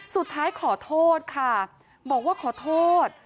สุดท้ายขอโทษค่ะบอกว่าขอโทษ